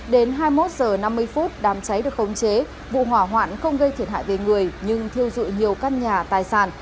đến hai mươi một h năm mươi đám cháy được khống chế vụ hỏa hoạn không gây thiệt hại về người nhưng thiêu dụi nhiều căn nhà tài sản